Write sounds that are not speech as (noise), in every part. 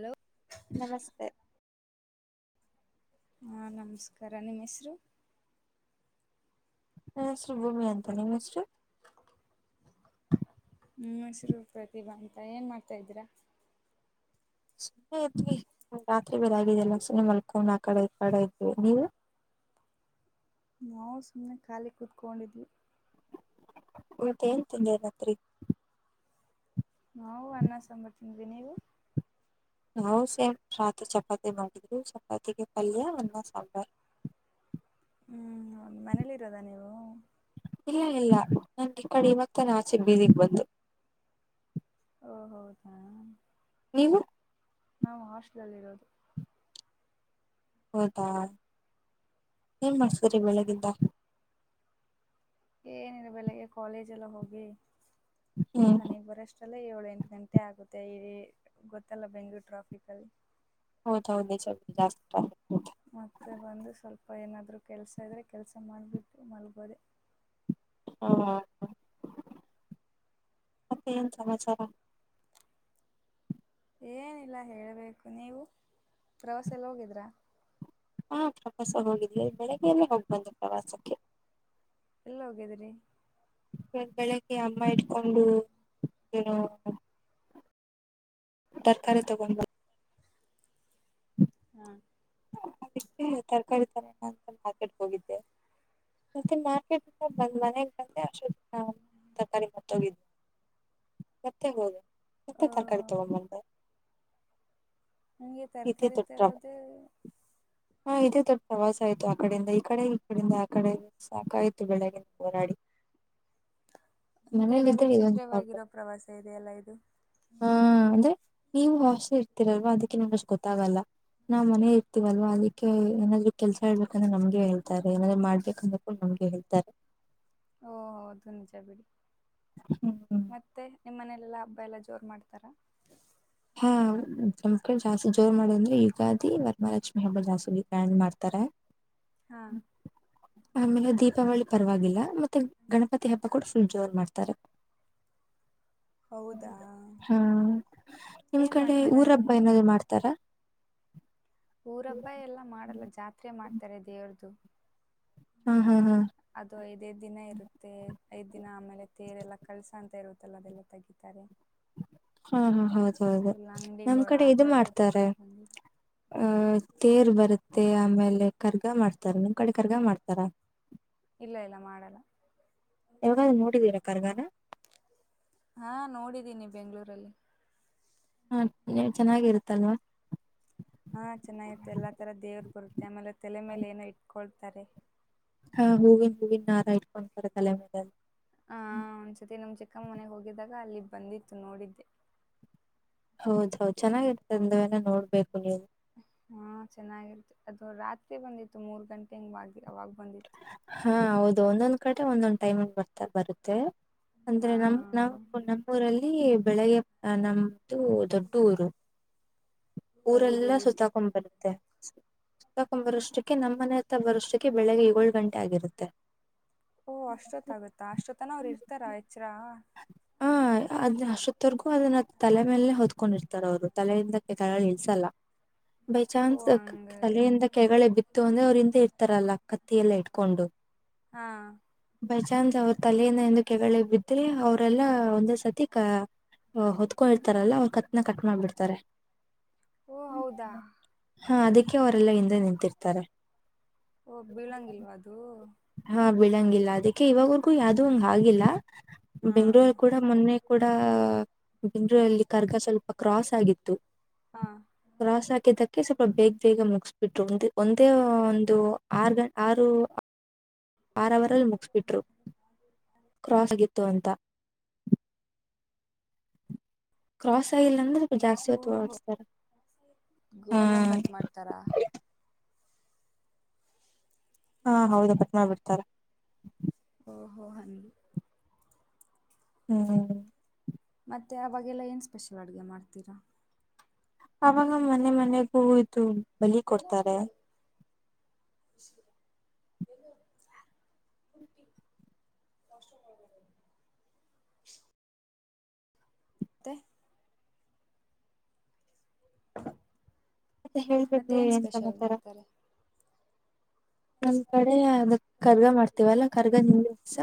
Hello, ನಮಸ್ತೆ, ಹಾ ನಮಸ್ಕಾರ ನಿಮ್ಮ ಹೆಸರು. ನನ್ನ ಹೆಸರು ಭೂಮಿ ಅಂತ ನಿಮ್ಮ ಹೆಸರು. ನಮ್ಮ ಹೆಸರು ಪ್ರತಿಭಾ ಅಂತ ಏನ್ ಮಾಡ್ತಾ ಇದೀರಾ. ಸುಮ್ನೆ ಇದ್ವಿ ರಾತ್ರಿ ಬೇರೆ ಆಗಿದಲ್ಲ ಸುಮ್ಮನೆ ಮಲ್ಕೊಂಡ ಆ ಕಡೆ ಕಡೆ ಇದ್ವಿ. ನೀವು, ನಾವು ಸುಮ್ಮನೆ ಖಾಲಿ ಕೂತ್ಕೊಂಡಿದ್ವಿ. ಮತ್ತೇನ್ ತೀದೆ ರಾತ್ರಿ. ನಾವು ಅನ್ನ ಸಾಂಬರ ತಿಂದ್ವಿ ನೀವು. ನಾವು ಸೇಮ್ ರಾತ್ರಿ ಚಪಾತಿ ಮಾಡಿದ್ರು. ಚಪಾತಿಗೆ ಪಲ್ಯ ಅನ್ನ ಸಾಂಬಾರ್. ಹ್ಮ್ ಮನೇಲಿರೋದ ನೀವು. ಇಲ್ಲ ಇಲ್ಲ ನನ್ಗೆ ಈ ಕಡೆ ಮತ್ತ ನ ಆಚೆ ಬೀದಿಗೆ ಬಂದೆ. ಓ ಹೌದಾ ನೀವು, ನಾವು ಹಾಸ್ಟೆಲ್ಲ್ಲಿ ಇರೋದು. ಹೌದಾ ಏನ್ ಮಾಡ್ತಿದ್ರಿ ಬೆಳಗಿಂದ. ಏನರ ಬೆಳಗ್ಗೆ ಕಾಲೇಜ್ ಎಲ್ಲ ಹೋಗಿ, ಹ್ಮ್ ಮನೆಗ್ ಬರಷ್ಟ ಲ್ಲ ಏಳ ಎಂಟು ಗಂಟೆ ಆಗುತ್ತೆ ಇ ಗೊತ್ತಲ್ಲ ಬೆಂಗ್ಗಳೂರು ಟ್ರಾಫಿಕ್ಲ್ಲಿ. ಹೌದ್ ಹೌದ್ ನಿಜ ಬಿಡಿ ಜಾಸ್ತಿ ಟ್ರಾಫಿಕ್. ಮತ್ತೆ ಬಂದು ಸ್ವಲ್ಪ, ಪ್ಪ ಏನಾದರೂ ಕೆಲಸ ಇದರೆ ಕೆಲಸ ಮಾಡಿಬಿಟ್ಟು ಮಲ್ಬೋದೆ. ಹಾ ಮತ್ತೆ ಏನ್ ಸಮಾಚಾರ. ಏನಿಲ್ಲ ಹೇಬೇಕು ನೀವು ಪ್ರವಾಸಲ್ಲ ಹೋಗಿದ್ರಾ. ಹಾ ಪ್ರವಾಸ ಹೋಗಿದ್ವಿ. ಬೆಳಿಗ್ಗೆಯಲ್ಲೇ ಹೋಗ್ಬದಿವಿ ಪ್ರವಾಸಕ್ಕೆ. ಎಲ್ಲ ಹೋಗ್ಯಿದ್ರಿ ಒಂದು ಬೆಳಗ್ಗೆ ಅಮ್ಮ ಇಟ್ಕೊಂಡು ಏನೋ (unintelligible) ತರ್ಕಾರೇ ತಗೊಂಡ (unintelligible) ಹ್ಮ ಅದಕ್ಕೆ ತರಕಾರಿ ತರ ಅಂತ ಮಾರ್ಕೆಟ್ಗೆ ಹೋಗಿದ್ದೆ (unintelligible) ಮತ್ತೆ ಮಾರ್ಕೆಟಯಿಂದ ಬಂದ್ ಮನೆಗೆ ಬಂದೆ ಆಸ್ಟ್ರಾಲಿ ತರಕಾರಿ ಮಾರ್ತೊಗಿದೆ ಮತ್ತೆ ಹೋದು ಮತ್ತೆ ಆ ತರಕಾರಿ ತಗೊಂಡ ಬಂದೆ ನಂಗೆ ಇದೇ ತರಕಾರಿ ತಟ ತರೋದು ಹ ಇದೇ ತ (unintelligible) ಪ್ರವಾಸ ಆಯ್ತು ಆ ಕಡೆಯಿಂದ ಈ ಕಡೆ ಈ ಕಡೆಯಿಂದ ಆ ಕಡೆ ಸಾಕ ಆಯ್ತು ಬೆಳಗ್ಗಿಂದ ಹೋರಾಡಿ (unintelligible) (inaudible) ಒಥರ ಮನೇಲಿ ಇದ್ರೆ ಇದೊಂದು ಪ್ರಾಬ್ಲಮ್ ವಿಚಿತ್ರವಾಗಿರೋ ಪ್ರವಾಸ ಇದೆ ಎಲ್ಲ ಇದು ಇರ್ತಿರಲ್ವಾ ಅದಕ್ಕೆ ನಮ್ಗೆಷ್ಟು ಗೊತ್ತಾಗಲ್ಲ ನಾವ್ ಮನೆೇ ಇರ್ತೀವಲ್ವಾ ಅದಕ್ಕೆ ಏನಾದ್ರು ಕೆಲಸ ಹೇಳ್ಬೇಕಂದ್ರೆ ನಮಗೆ ಹೇಳ್ತಾರೆ ಎನಾದ್ರು ಮಾಡ್ಬೇಕಂದ್ರ ಕೂ (unintelligible) ನಮ ಗೆ ಹೇಳ್ತಾರೆ (unintelligible) ಓದು ನಿಜ ಬಿಡಿ ಹ್ಮ್ ಮತ್ತೆ ನಿಮ್ಮನೇಲೆಲ್ಲಾ ಹಬ್ಬ ಎಲ್ಲ ಜೋರು ಮಾಡ್ತಾರೆ (unintelligible) ಮ್ಮ ಕಡೇ ಜಾಸ್ತಿ ಜೋರ್ ಮಾಡೋದುದಂದ್ರೆ ಯುಗಾದಿ ವರಮಹಾಲಕ್ಷ್ಮಿ ಹಬ್ಬ ಜಾಸ್ತಿ ಗ್ರಾಹ್ಯಾಂಡ್ ಮಾಡ್ತಾರೆ ಹಾ ಆಮೇಲೆ ದೀಪಾವಳಿ ಪರವಾಗಿಲ್ಲ ಮತ್ತೆ ಗಣಪತಿ ಹಬ್ಬ ಕೂಡ ಫುಲ್ ಜೋರ್ ಮಾಡ್ತಾರೆ (unintelligible) (inaudible) ಹೌದಾ ಹ್ಮ ನಿಮ್ ಏನ್ ಕಡೆ ಮಾಡ್ತೀರಾ ಊರ ನೀ ಹಬ್ಬ ಏನಾದ್ರು ಮಾಡ್ತಾರ ಊರಬ್ಬ ಎಲ್ಲ ಮಾಡಲ್ಲ ಜಾತ್ರೆ ಮಾಡ್ತಾರೆ ದೇವ್ರುದು ಹಾ ಹಾ ಹಾ ಅದು ಐದೇದ್ ದಿನ ಇರುತ್ತೆ ಐದ್ ದಿನ ಆಮೇಲೆ ತೇರೆಲ್ಲಾ ಕಲ್ಸ ಶಂತ ಇರುತ್ತಲ್ಲ ಅದೆಲ್ಲ ತೆಗಿತಾರೆ ಹಾ ಹಾ ಹೌದ ಹೌದು ಇಲ್ಲ ನಮ್ ಅಂಗಡಿಗಳು ಕಡೆ ಆಟ ಇದು ಆಡೋದೆಲ್ಲ ಮಾಡ್ತಾರೆ ಬಂದಿ ಆಹ ತೇರು ಬರುತ್ತೆ (unintelligible) ಮತ್ತೆ ಆಮೇಲೆ ಕರ್ಗ ಮಾಡ್ತಾರ ನಿಮ್ ಕಡೆ ಕರ್ಗ ಮಾಡ್ತಾರ ಇಲ್ಲ ಇಲ್ಲ ಮಾಡಲ್ಲ ಯಾವಾಗಾದ್ರು ನೋಡಿದೀರ ಕರ್ಗಾರ ಹಾ ನೋಡಿದ್ದೀನಿ ಬೆಂಗಳೂರಲ್ಲಿ ಹಾ ನೀವು (unintelligible) ಚೆನ್ನಾಗಿರುತ್ತಲ್ವಾ ಹಾ ಚೆನ್ನಾಗಿತ್ತ ಎಲ್ಲಾ ತರ ದೇವರು ಬರುತ್ತೆ ಆಮೇಲೆ ತಲೆ ಮೇಲೆ ಏನೋ ಇಟ್ಕೊಳ್ತಾರೆ ಹ (unintelligible) ಹೂವನ್ ಹೂವಿನ ನಾರ ಇಟ್ಕೊಂಡು ಕರ ತಲ್ಲ ಮೇಲೆ ಹ ಒಂದ್ಸತಿ ನಿಮ್ ಚಿಕ್ಕಮ್ಮ ಮನೆ ಹೋಗಿದಾಗ ಅಲ್ಲಿ ಬಂದಿತ್ತು ನೋಡಿದ್ದೆ ಹೌದೌದು ಚನ್ನಾಗಿರ್ತ ಅಂದನ ನೋಡ್ಬೇಕು ನೀವು ಹಾ ಚೆನ್ನಾಗಿರ್ತಿ ಅದು ರಾತ್ರಿ ಬಂದಿತ್ತು ಮೂರ್ ಗಂಟೆ ಹಂಗ್ ಬ (unintelligible) ಅವಾಗ ಬಂದಿತ್ತು ಹಾ ಹೌದು ಒಂದೊಂದ್ ಕಡೆ ಒಂದೊಂದ್ ಟೈಮ್ ಬರ್ತಾ ಬರುತ್ತೆ ಹಾ ಅಂದ್ರೆ ನಮ ನಾ ನಮ್ಮೂಊರಲ್ಲಿ ಬೆಳಗ್ಗೆ ನಮ್ದು ದೊಡ್ಡೂರು ಊರೆಲ್ಲ ಹೌದೌದು ಸುತ್ತಾಕೊ ಬರುತ್ತೆ ಸತಾಕೊ ಬರಷ್ಟಕ್ಕೆ ನಮ್ಮನೆ ಹತ್ತ ಬರುಷ್ಟಕ್ಕೆ ಬೆಳಿಗ್ಗೆ ಏಳು ಗಂಟೆ ಆಗಿರುತ್ತೆ ಓ ಅಷ್ಟೊತ್ ಆಗತ್ತಾ ಅಷ್ಟೊತ್ತನ ಅವ್ರು ಇರ್ತಾರ ಎಚ್ಚ್ರ ಹ ಅದ್ ಅಷ್ಟೊತ್ತವರ್ಗೂ ಅದನ್ನ ತಲೆ ಮೇಲೆನೆ ಹೊದ್ಕೊಂಡಿರ್ತ ಅವ್ರು ತಲೆಯಿಂದಕ್ಕೆ ತಲೆ ಇಲ್ಸಲ್ಲ ಬೈ ಓ ಚಾನ್ಸ್ ಹಂಗ ತಲೆಯಿಂದ ಕೆಗಗಳೆ ಬಿತ್ತು ಅಂದ್ರೆ ಅವ್ರಿಂದ ಇರ್ತಾರಲ್ಲ ಅಕ್ಕ (unintelligible) (unintelligible) ತ್ತಿಯಲ್ಲ ಇಟ್ಕೊಂಡು ಹಾ ಬೈ ಚಾನ್ಸ್ ಅವ್ರ ತಲೆಯಿಂದ ಎಂದು ಕೆಗಳ ಬಿದ್ದು (unintelligible) ಅವ್ರಲ್ಲ ಒಂದ್ ಸರ್ತಿ ಕ (unintelligible) ಹೊತ್ಕೊ ಇರ್ತಾರಲ್ಲ ಅವ್ರ ಕತ್ನ ಕಟ್ ಮಾಡ್ಬಿಡ್ತಾರೆ ಓ ಹೌದಾ ಹಾ ಅದಕ್ಕೆ ಅವರೆಲ್ಲ ಹಿಂದೆ ನಿಂತಿರ್ತಾರೆ ಓ ಬೀಳಂಗಿಲ್ವಾ ಅದು ಹಾ ಬಿಳಂಗಿಲ್ಲ ಅದಕ್ಕೆ ಇವಾಗವರ್ಗೂ ಯಾವ್ದೂ ಹಂಗ್ ಆಗಿಲ್ಲ ಹಾ ಬೆಂಗ್ಳೂರ್ ಕೂಡ ಮೊನ್ನೆ ಕೂಡ (unintelligible) ಸ್ವಲ್ಪ ಕ್ರಾಸ್ ಆಗಿತ್ತು ಹಾ ಕ್ರಾಸ್ ಹಾಕಿದ್ದಕ್ಕೆ ಸ್ವಲ್ಪ ಬೇಗ ಬೇಗ ಮುಗ ಬಿಟ್ಟರು ಒ ಒಂದೇ ಒಂದು ಆರು ಗಂ ಆರು ಆರವರಲ್ಲಿ ಮುಗಿಸಬಿಟ್ರು ಕ್ರಾಸ್ ಆಗಿತ್ತು ಅಂತ ಕ್ರಾಸ್ ಆಗಿಲ್ಲ ಅಂದ್ರೆ ಜಾಸ್ತಿ ಓಹೋ ಹೊತ್ತು ಸ್ತಾರ ಹಾ ಗೋನ ಕಟ್ ಮಾಡ್ತಾರಾ ಹಾ ಹೌದಾ ಪಟ್ನಾ ಬಿಡ್ತಾರ ಓಹೋ ಹ ಹ್ಮ ಮತ್ತೆ ಅವಾಗೆಲ್ಲ ಏನು ಸ್ಪೆಷಲ್ ಅಡುಗೆ ಮಾಡ್ತೀರಾ ಅವಾಗ ಮನೆ ಮನೆಗೂ ಇದು ಬಲಿ ಕೊಡ್ತಾರೆ (unintelligible) ಷ್ಟ (unintelligible) ಹ ಮತ್ತೆ ಹೇಳ್ಬೇಕು ಏನ್ ಸಮಾಚಾರ ನಮ್ ಕಡೆ ಅದ ಕರ್ಗ ಮಾಡ್ತೀವಲ್ಲ ಕರ್ಗ ನಿಂದಸ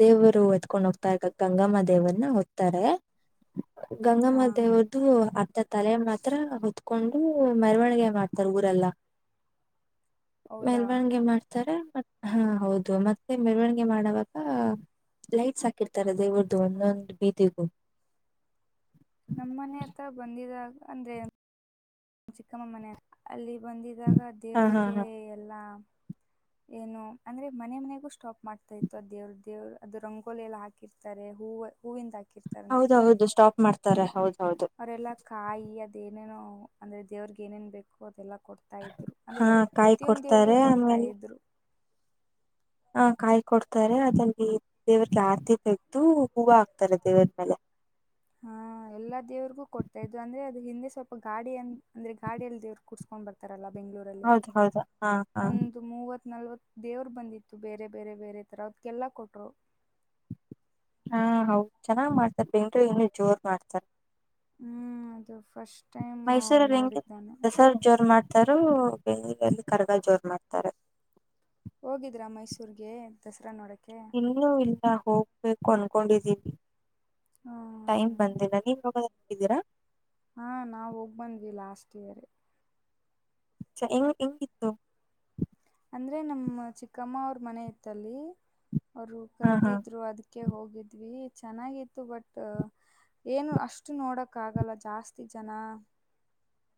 ದೇವರು ಎತ್ಡ್ ಹೋಗ್ತಾ ಇದ್ದಾಗ ಗಂಗಮ್ಮ ದೇವನ್ನ ಓದ್ತಾರೆ ಹಾ ಗಂಗಮ್ಮ ದೇವ್ದ ಮತ್ತ ತಲೆ ಮಾತ್ರ ಹೊತ್ಕೊಂಡು ಮೆರವಣಿಗೆ ಮಾಡ್ತಾರ ಊರೆಲ್ಲ ಹೌದಾ ಮೆರವಣಿಗೆ ಮಾಡ್ತಾರೆ ಮ ಹಾ ಹೌದು ಮತ್ತೆ ಮೆರವಣಿಗೆ ಮಾಡುವಾಗ ಲೈಟ್ಸ್ ಹಾಕಿರ್ತಾರ ದೇವರ್ದು ಒಂದೊಂದು ಬೀದಿಗೂ (inaudible) ನಮ್ಮ್ ಮನೆ ಹತ್ರ ಬಂದಿದಾಗ ಅಂದ್ರೆ ಚಿಕ್ಕಮ್ಮ ಮನೆ ಅಲ್ಲಿ ಬಂದಿದ್ದಾಗ ಹಾ ಹಾ ದೇವ್ರಿಗೆ ಹಾ ಎಲ್ಲ ಏನು ಅಂದ್ರೆ ಮನೆ ಮನೆಗೂ ಸ್ಟಾಪ್ ಮಾಡ್ತಾ ಇತ್ತು ಅದ ದೇವ್ರ ದೇವ್ರು ಅದು ರಂಗೋಲಿ ಎಲ್ಲ ಹಾಕಿರ್ತಾರೆ ಹೂವು ಹೂವಿಂದ ಹೌದೌದು ಸ್ಟಾಪ್ ಮಾಡ್ತಾರೆ ಹೌದು ಅವರೆಲ್ಲ ಕಾಯಿ ಅದೇನೇನು ಅಂದ್ರೆ ದೇವ್ರಿಗೆ ಏನೇನ್ ಬೇಕು ಅದೆಲ್ಲ ಕೊಡ್ತಾ ಇದ್ರು ಅಂದ್ರೆ ಹಾ ಕಾಯಿ ಪ್ರತಿಯೊಂದವರಿಗೂ ಕೊಡ್ತಾರೆ ಕೊಡ್ತಾ ಆಮೇಲೆ ಇದ್ರು ಕಾಯ್ ಕೊಡ್ತಾರೆ ಅದಲ್ಲಿ ದೇವ್ರಿಗೆ ಆರತಿ ತೆಗೆದು ಹೂವು ಹಾಕ್ತಾರೆ ದೇವ್ರ ಮೇಲೆ ಹಾ ಎಲ್ಲಾ ದೇವ್ರಿಗೂ ಕೊಡ್ತಾ ಇದು ಅಂದ್ರೆ ಅದು ಹಿಂದೆ ಸ್ವಲ್ಪ ಗಾಡಿ ಅ ಅಂದ್ರೆ ಗಾಡಿಯಲ್ಲಿ ದೇವ್ರ ಕುಡ್ಸ್ಕೊಂಡ್ ಬರ್ತಾರಲ್ಲ ಬೆಂಗಳೂರಲ್ಲಿ ಹೌದ ಹೌದು ಹಾ ಹಾ ಒಂದು ಮೂವತ್ ನಲ್ವತ್ ದೇವರು ಬಂದಿತ್ತು ಬೇರೆ ಬೇರೆ ಬೇರೆ ತರ ಅವದಕ್ಕೆಲ್ಲ ಕೊಟ್ರು ಹಾ ಹೌದು ಚೆನ್ನಾಗ್ ಮಾಡ್ತಾರ ಬೆಂಗ್ರ ಇನ್ನುರು ಜೋರ್ ಮಾಡ್ತಾರ ಹ್ಮ್ ಅದು ಫಸ್ಟ್ ಟೈಮ್ ಮೈಸೂರಲ್ಲಿ ಹೆಂಗೆ ನೋಡಿದ್ ನಾನು ದಸರ್ ಜೋರ್ ಮಾಡ್ತಾರ ಎಲ್ಲಿ ಕರ್ಗ ಜೋರ್ ಮಾಡ್ತಾರೆ ಹೋಗಿದ್ರಾ ಮೈಸೂರ್ಗೆ ದಸರಾ ನೋಡಕ ಇಲ್ಲೂ ಇಲ್ಲ ಹೋಗ್ಬೇಕು ಅನ್ಕೊಂಡಿದ್ದೀವಿ ಟೈಮ್ ಹ್ಮ ಬಂದಿಲ್ಲ ನೀವ ಹೋಗೋದ ಹಕಿದ್ದೀರಾ ಹಾ ನಾವು ಹೋಗಿ ಬಂದ್ವಿ ಲಾಸ್ಟ್ ಇಯರ್ ಎಂಗ್ ಹೆಂಗಿತ್ತು ಅಂದ್ರೆ ನಮ್ಮ ಚಿಕ್ಕಮ್ಮ ಅವ್ರ ಮನೆ ಇತ್ತಲ್ಲಿ ಅವರು ಹಾ ಹಾ ಕರೆದಿದ್ರು ಅದಕ್ಕೆ ಹೋಗಿದ್ವಿ ಚೆನ್ನಾಗಿತ್ತು ಬಟ್ ಏನು ಅಷ್ಟು ನೋಡಕ್ಕಗಲ್ಲ ಜಾಸ್ತಿ ಜನ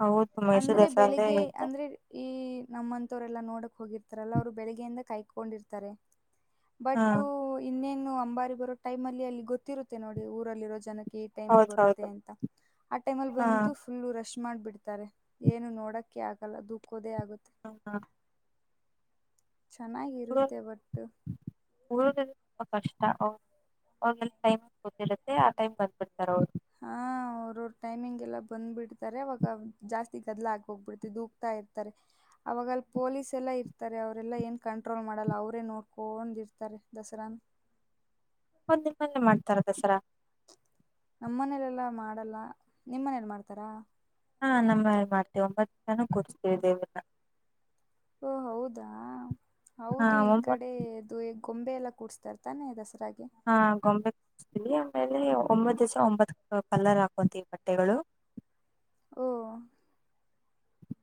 ಹೌದು ಮೈಸೂರು ಅಂದ್ರೆ ದಸರಾ ಬೆಳಿಗ್ಗೆ ಎಲ್ಲ- ಅಂದ್ರೆ ಈ ನಮ್ಮಂತವರೆಲ್ಲಾ ನೋಡಕ್ ಹೋಗಿರ್ತಾರಲ್ಲ ಅವ್ರು ಬೆಳಿಗ್ಯಿಂದ ಕಾಯ್ಕೊಂಡಿರ್ತಾರೆ ಹಾ ಬಟ್ ಇನ್ನೇನು ಅಂಬಾರಿ ಬರೋ ಟೈಮ್ ಅಲ್ಲಿ ಅಲ್ಲಿ ಗೊತ್ತಿರುತ್ತೆ ನೋಡಿ ಊರಲ್ಲಿರೋ ಜನಕ್ಕೆ ಟೈಮಿಗೆ ಹೌದು ಬರುತ್ತೆ ಹೌದು ಅಂತ ಆ ಟೈಮಲ್ಲಿ ಹಾ ಬಂದು ಫುಲ್ಲ ರಶ್ ಮಾಡ್ಬಿಡ್ತಾರೆ ಏನು ನೋಡಕ್ಕೆ ಆಗಲ್ಲ ದುಃಖೋದೇ ಆಗುತ್ತ ಹ ಹಾ ಚೆನ್ನಾಗಿರುತ್ತೆ ಬಟ್ಟು ಉಳಿದ ಕಷ್ಟ ಅವಲ್ಲಿ ಟೈಮ್ ಗೊತ್ತಿರುತ್ತೆ ಆ ಟೈಮ್ ಬಂದ್ಬಿಡ್ತಾರೆ ಅವ್ರು (unintelligible) ಹಾ ಅವ್ರವರು ಟೈಮಿಂಗ್ ಎಲ್ಲ ಬಂದ್ಬಿಡ್ತಾರೆ ಅವವಾಗ ಜಾಸ್ತಿ ಗದ್ಲ ಆಗ್ ಹೋಗ್ಬಿಡ್ತ ದೂಕ್ತಾ ಇರ್ತಾರೆ ಅವಾಗಲ್ಲಿ ಪೊಲೀಸ್ ಎಲ್ಲ ಇರ್ತಾರೆ ಅವರೆಲ್ಲ ಏನು ಕಂಟ್ರೋಲ್ ಮಾಡಲ್ಲ ಅವರೇ ನೋಡ್ಕೊಂಡೊಂಡ ಇರ್ತಾರೆ ದಸರಾ (inaudible) ಒಂದಿನ ಮಲ್ಲೆ ಮಾಡ್ತಾರ ದಸರಾ ನಮ್ಮ ಮನೇಲೆಲ್ಲಾ ಮಾಡಲ್ಲ ನಿಮ್ಮನೇಲಿ ಮಾಡ್ತಾರಾ ಹಾ ನಮ್ಮೇಲ್ಲಿ ಮಾಡ್ತೀವಿ ಒಂಬತ್ತು ಜನ ಕೂರಿಸ್ತೀವಿ ದೇವಲ್ಲ ಓ ಹೌದಾ ಹಾ ಹೌದು ಈ ಒಂಬತ್ ಕಡೆ ಅದು ಗೊಂಬೆ ಎಲ್ಲ ಕೂಡ್ಸ್ತರ್ ತಾನೆ ದಸರಾಗ ಹಾ ಗೊಂಬೆ ಸ್ಲ್ಲಿ ಆಮೇಲೆ ಒಂಬತ್ತು ದಿವಸ ಒಂಬತ್ ಕಲರ್ ಹಾಕೊಂತ ಈ ಬಟ್ಟೆಗಳು ಓ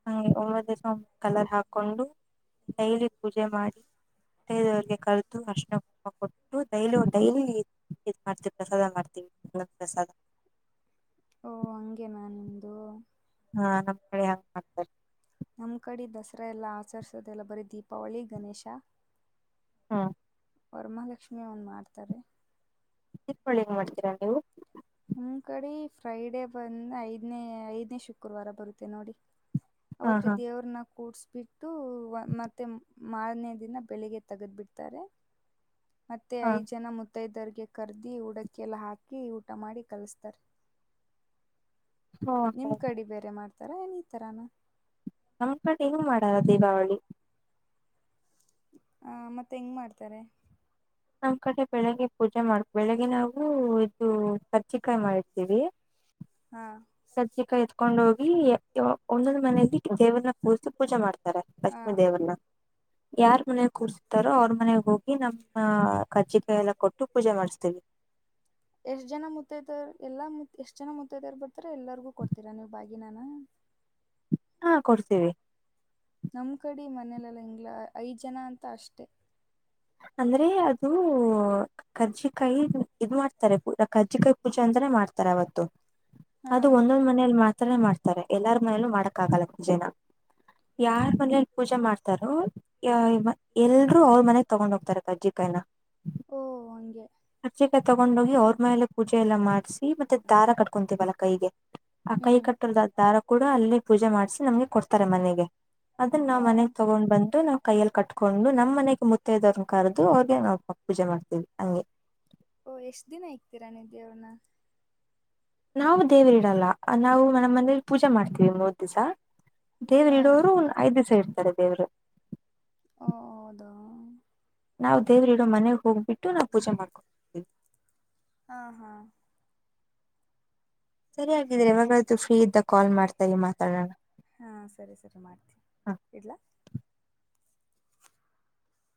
ಹ ಒಂಬತ್ತ ದಿವಸ ಒಂಬತ್ತು ಕಲರ್ ಹಾಕೊಂಡು ಡೈಲಿ ಪೂಜೆ ಮಾಡಿ ಬೇರೆಯವರಿಗೆ ಕರೆದು ಅರಿಶಿನ ಕುಂಕುಮ ಕೊಟ್ಟು ಡೈಲಿ ಡೈಲಿ ಇದ್ ಮಾಡ್ತಿವಿ ಪ್ರಸಾದ ಮಾಡ್ತೀವಿ ಮತ್ತೆ ಸ (unintelligible) ಓ ಹಂಗೆನ ನಿಮ್ದು ಹಾ ನಮ್ ಕಡೆ ಹಂಗ ಮಾಡ್ತಾರೆ ನಮ್ಮ ಕಡೆ ದಸರಾ ಎಲ್ಲ ಆಚರಿಸೋದೆಲ್ಲ ಬರೀ ದೀಪಾವಳಿ ಗಣೇಶ ಹಾ ವರಮಾಲಕ್ಷ್ಮಿ ಒನ್ ಮಾಡ್ತಾರೆ ದೀಪಳಿಗಿ ಮಾಡ್ತೀರಾ ನೀವು ಹಮ್ ಕಡೆ ಫ್ರೈಡೇ ಬಂದ್ ಐದ್ನೇ ಐದ್ನೇ ಶುಕ್ರವಾರ ಬರುತ್ತೆ ನೋಡಿ ಹಾ ಅವತ್ತ ಹಾ ದೇವ್ರನ್ನ ಕೂಡ್ಸ್ಬಿಟ್ಟು ಮತ್ತೆ ಮಾರನೇ ದಿನ ಬೆಳಿಗ್ಗೆ ತಗದ್ಬಿಡ್ತಾರೆ ಮತ್ತೆ ಹಾ ಐದು್ ಜನ ಮುತ್ತ ಮೂತ್ತೈದರಿಗೆ ಕರೆದಿ ಉಡಕ್ಕೆಿಯೆಲ್ಲ ಹಾಕಿ ಊಟ ಮಾಡಿ ಕಲಿಸ್ತಾರೆ ಹಾ ನಿಮ್ಮ ಕಡೆ ಬೇರೆ ಮಾಡ್ತಾರ ಏನು ಈ ಥರಾನ ನಮ್ ಕಂಡ ಏನೂ ಮಾಡಾರ ದೀಪಾವಳಿ ಹ ಮತ್ತೆ ಹೆಂಗ್ ಮಾಡ್ತಾರೆ ನಮ್ ಕಡೆ ಬೆಳಗ್ಗೆ ಪೂಜೆ ಮಾಡ್ ಬೆಳಿಗ್ಗೆ ನಾವವು ಇದು ಕಜ್ಜಿಕಾಯಿ ಮಾಡಿರ್ತೀವಿ ಹಾ ಪ್ರತ್ಯಿಕ (unintelligible) ಎತ್ಕೊಂಡ ಹೋಗಿ ಒಂದೊಂದು್ ಮನೆಯಲ್ಲಿ ದೇವ್ರನ್ನ ಕೂರ್ಸಿ ಪೂಜೆ ಮಾಡ್ತಾರೆ (unintelligible) ಲಕ್ಷ್ಮೀ ಹಾಂ ದೇವನ್ನ ಯಾರ್ ಮನೆಗ್ ಕೂರ್ಸ್ತಾರೋ ಅವ್ರ ಮನೆಗ್ ಹೋಗಿ ನಮ್ಮ ಕಜ್ಜಿಕಾಯ ಎಲ್ಲ ಕೊಟ್ಟು ಪೂಜೆ ಮಾಡಿಸ್ತೇವಿ (inaudible) ಎಷ್ಟ ಜನ ಮುತ್ತೈ್ದಾರ ಎಲ್ಲಾ ಎಷ್ಟ್ ಜನ ಮುತ್ತೈದವ ಬರ್ತಾರ ಎಲ್ಲಾರ್ಗೂ ಕೊಡ್ತೀರಾ ನೀವು್ ಬಾಗಿನನ ಹಾ ಕೊಡ್ತೀವಿ ನಮ್ಮ್ ಕಡೆ ಮನೇಲಲ್ಲ ಇಂಗ್ಲ ಐದ್ ಜನ ಅಂತ ಅಷ್ಟೆ ಅಂದ್ರೆ ಅದು ಕಜ್ಜಿಕಾಯಿ ಇದ್ ಮಾಡ್ತಾರೆ ಪೂ ಕಜ್ಜಿಕಾಯಿ ಪೂಜೆ ಅಂತ (unintelligible) ಮಾಡ್ತಾರೆ ಅವತ್ತು ಅದು ಹಾಂ ಒಂದೊಂದ್ ಮನಲಿ ಮಾತ್ರ ಮಾಡ್ತಾರೆ (unintelligible) ತಾರೆ ಎಲ್ಲಾರ ಮನೇಲೂ ಮಾಡಕ್ಕ ಆಾಗಲ್ಲ ಮುಂಜೆನ ಯಾರ್ ಮನಲಿ ಪೂಜೆ ಮಾಡ್ತಾರೋ (unintelligible) ಎಲ್ರು ಅವ್ರ ಮನೆ ತಗೊಂಡ್ ಹೋಗ್ತಾರೆ ಕಜ್ಜಿಕಾಯಿ ನ ಓ ಹಂಗೆ ತಗೊಂಡೋಗಿ ಅವ್ರ ಮೇಲೆ ಪೂಜೆ ಎಲ್ಲ ಮಾಡಸಿ ಮತ್ತೆ ದಾರ ಕಟ್ಕೊಂತೀವಲ್ಲಾ ಕೈಗೆ ಆ ಹ್ಞೂ ಕೈ ಕಟ್ಟೋರ್ದ ದಾರ ಕೂಡ ಅಲ್ಲಿೇ ಪೂಜೆ ಮಾಡ್ಸಿ ನಮ್ಗೆ ಕೊಡ್ತಾರೆ ಮನೆಗೆ ಅದನ್ನ ನಾವ್ ಓ ಮನೆಗ್ ತಗೊಂಡ್ ಬಂದು ನಾವ್ ಕೈಯಲ್ಲಿ ಕಟ್ಕೊಂಡು ನಮ್ಮ್ನೆಗ ಮುತ್ತೈದೆರನ ಕರೆದು ಅವ್ರ ನಾವು ಪ ಪೂಜೆ ಮಾಡ್ತೇವಿ ಹಂಗೆ ಓಹ ಎಷ್ಟ್ ದಿನ ಇಗ್ತೀರಾ ನೀವು ದೇವರ್ನ ನಾವು ದೇವರಿ ಇಡಲ್ಲ ನಾವು ನ ಮನೇಲಿ ಪೂಜೆ ಮಾಡ್ತೀವಿ ಮೂವತ್ ದಿವಸ ದೇವರು ಹಾಂ ಇಡೋರು ಐದ ದಿವಸ ಇರ್ತಾರೆ ದೇವರು ಹೋ ಹೌದ ನಾವು ದೇವರಿಡೋ ಮನೆಗ್ ಹೋಗ್ಬಿಟ್ಟು ನಾವು ಪೂಜೆ ಮಾಡ್ಕೋತೀವಿ ಹಾ ಹಾ ಸರಿ ಹಾಗಗಿದ್ರೆ ಇವಾಗೂ ಫ್ರೀ ಇದ್ದ ಕಾಲ್ ಮಾಡ್ತ ಮಾತಾಡೋಣ ಹಾಂ ಸರಿ ಸರಿ ಮಾಡ್ತೀವಿ ಇಡಲ